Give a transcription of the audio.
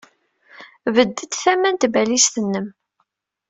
Bded tama n tbalizt-nnem.